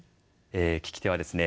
聞き手はですね